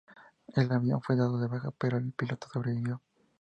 El avión fue dado de baja, pero el piloto sobrevivió.